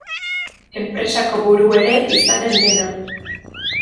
Enpresako buru ere izanen dena.